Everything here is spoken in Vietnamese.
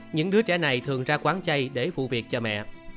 những đứa trẻ này thường ra quán chay để phụ việc cho mẹ